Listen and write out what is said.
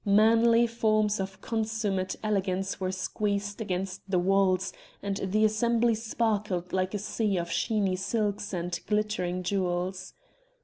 Manly forms of consummate elegance were squeezed against the walls, and the assembly sparkled like a sea of sheeny silks and glittering jewels.